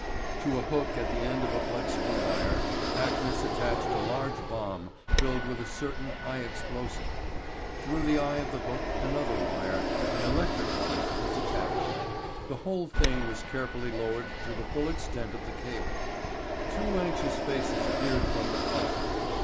To a hook at the end of a flexible wire Hackness attached a large bomb filled with a certain high explosive. Through the eye of the hook another wire an electric one was attached. The whole thing was carefully lowered to the full extent of the cable. Two anxious faces peered from the car.